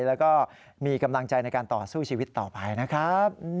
แล้วก็มีกำลังใจในการต่อสู้ชีวิตต่อไปนะครับ